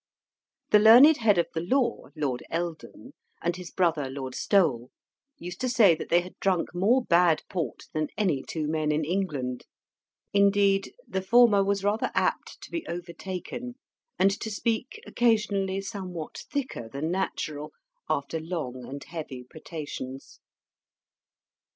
The learned head of the law, Lord Eldon, and his brother, Lord Stowell, used to say that they had drunk more bad port than any two men in England; indeed, the former was rather apt to be overtaken, and to speak occasionally somewhat thicker than natural, after long and heavy potations.